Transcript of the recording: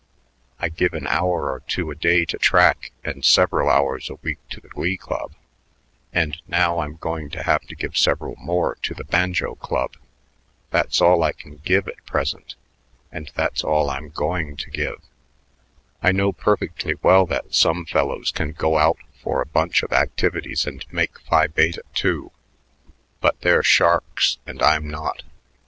I give an hour or two a day to track and several hours a week to the Glee Club, and now I'm going to have to give several more to the Banjo Club. That's all I can give at present, and that's all I'm going to give. I know perfectly well that some fellows can go out for a bunch of activities and make Phi Bete, too; but they're sharks and I'm not.